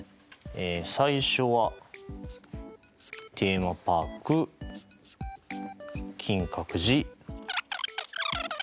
最初はテーマパーク金閣寺。